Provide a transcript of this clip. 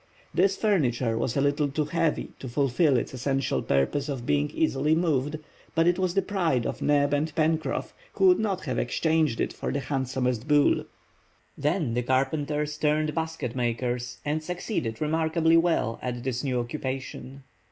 This furniture was a little too heavy to fulfil its essential purpose of being easily moved, but it was the pride of Neb and Pencroff, who would not have exchanged it for the handsomest Buhl. Then the carpenters turned basket makers, and succeeded remarkably well at this new occupation.